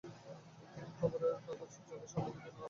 তিনি খবরের কাগজ চোখের সামনে থেকে নামালেন।